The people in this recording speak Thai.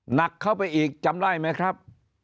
หนักเข้าไปอีกจำได้ไหมครับ